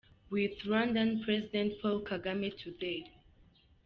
With Rwandan President Paul Kagame today.